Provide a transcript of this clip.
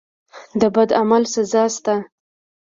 د بد عمل سزا شته.